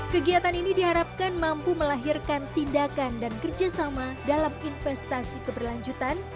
kegiatan ini diharapkan mampu melahirkan tindakan dan kerjasama dalam investasi keberlanjutan